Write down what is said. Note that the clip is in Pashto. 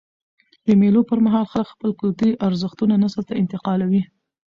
د مېلو پر مهال خلک خپل کلتوري ارزښتونه نسل ته انتقالوي.